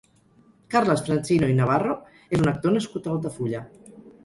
Carles Francino i Navarro és un actor nascut a Altafulla.